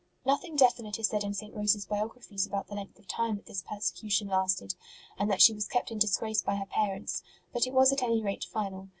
Nothing definite is said in St. Rose s biog raphies about the length of time that this persecution lasted, and that she was kept in disgrace by her parents, but it was at any rate final.